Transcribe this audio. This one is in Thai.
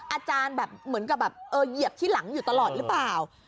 อาจารย์เหมือนกับเยียบที่หลังตลอดหรือเปล่า